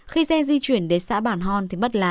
khi xe di chuyển đến xã bản hòn